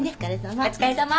お疲れさま。